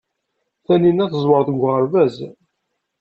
Tanina teẓwer deg uɣerbaz.